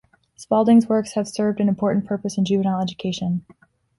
Spaulding's works have served an important purpose in juvenile education.